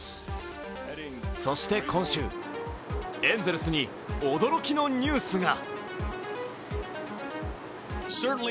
そして今週、エンゼルスに驚きのニュースが。